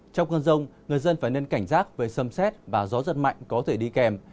trong cơn rông người dân phải nên cảnh giác về sâm xét và gió giật mạnh có thể đi kèm